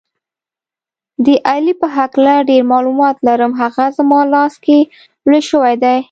د علي په هکله ډېر معلومات لرم، هغه زما لاس کې لوی شوی دی.